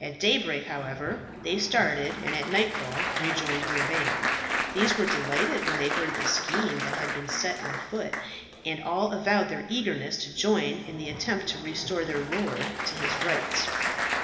At daybreak, however, they started, and at nightfall rejoined their band. These were delighted when they heard the scheme that had been set on foot, and all avowed their eagerness to join in the attempt to restore their lord to his rights.